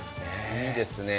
いいですね。